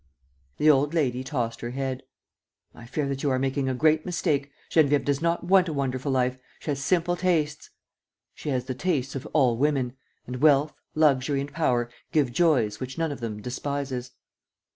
The old lady tossed her head: "I fear that you are making a great mistake. Geneviève does not want a wonderful life. She has simple tastes." "She has the tastes of all women; and wealth, luxury and power give joys which not one of them despises."